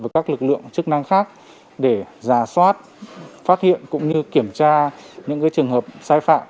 và các lực lượng chức năng khác để giả soát phát hiện cũng như kiểm tra những trường hợp sai phạm